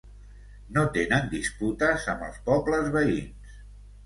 No tenen disputes amb els pobles veïns.